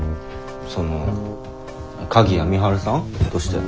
その鍵谷美晴さん？としての。